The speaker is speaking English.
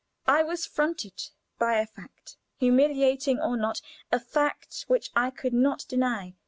I was fronted by a fact, humiliating or not a fact which I could not deny.